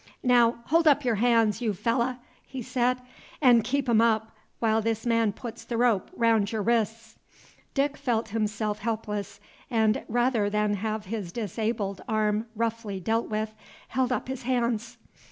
"Naow hold up y'r hands, yeou fellah," he said, "'n' keep 'em up, while this man puts the rope mound y'r wrists." Dick felt himself helpless, and, rather than have his disabled arm roughly dealt with, held up his hands.